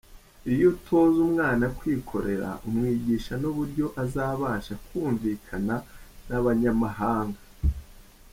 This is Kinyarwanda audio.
Iyo utoza umwana kwikorera umwigisha n’uburyo azabasha kumvikana n’abanyamahanga”.